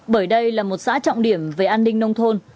bởi đây là một xã trọng điểm về an ninh nông thôn